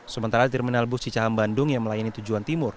sementara terminal bus cicahem bandung yang melayani tujuan timur